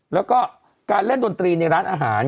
แล้วก็การเล่นดนตรีในร้านอาหาร